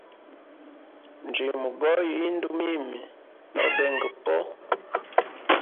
Njimugoya indu mimi nobenga po.